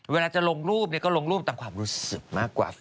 เวลาจะลงรูปก็ลงรูปตามความรู้สึกมากกว่า